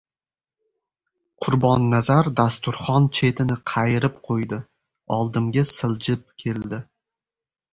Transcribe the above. Qurbonnazar dasturxon chetini qayirib qo‘ydi. Oldimga siljib keldi.